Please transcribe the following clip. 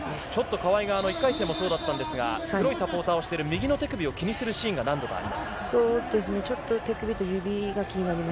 川井が１回戦をそうだったんですが、黒いサポーターをしている右手首を気にする仕草がありま